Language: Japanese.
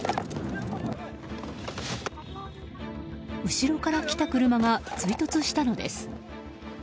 後ろから来た車が追突したのです。